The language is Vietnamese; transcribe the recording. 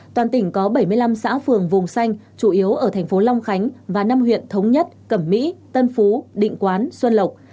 toàn tỉnh có bảy mươi năm xã phường vùng xanh chủ yếu ở thành phố long khánh và năm huyện thống nhất cẩm mỹ tân phú định quán xuân lộc